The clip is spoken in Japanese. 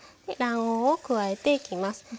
で卵黄を加えていきます。